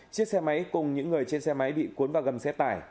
chiếc xe máy cùng những người trên xe máy bị cuốn vào gầm xe tải